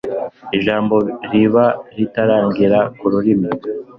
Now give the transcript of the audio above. ijambo riba ritarangera ku rurimi